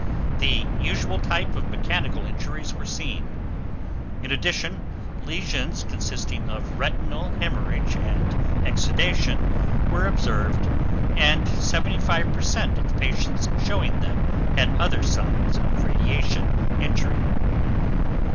The usual types of mechanical injuries were seen. In addition, lesions consisting of retinal hemorrhage and exudation were observed and 75% of the patients showing them had other signs of radiation injury.